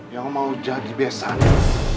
yang mau jadi besarnya